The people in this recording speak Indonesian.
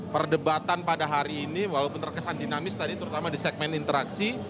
perdebatan pada hari ini walaupun terkesan dinamis tadi terutama di segmen interaksi